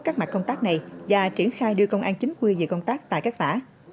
các mặt công tác này và triển khai đưa công an chính quy về công tác tại các xã